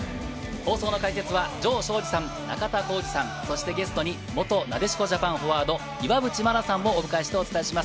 放送の解説は城彰二さん、中田浩二さん、そしてゲストに元なでしこジャパンフォワード・岩渕真奈さんをお迎えして、お伝えします。